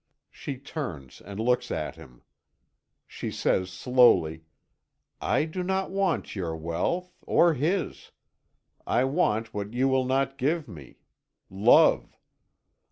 She turns and looks at him. She says slowly: "I do not want your wealth, or his. I want what you will not give me love.